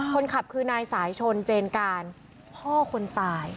คนขับคือนายสายชนเจนการพ่อคนตาย